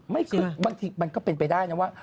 ไม่ขึ้นบางทีมันก็เป็นไปได้นะว่า